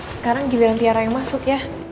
sekarang giliran tiara yang masuk ya